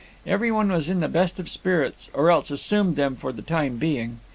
Every one was in the best of spirits, or else assumed them for the time being.